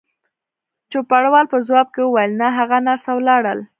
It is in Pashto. چوپړوال په ځواب کې وویل: نه، هغه نرسه ولاړل.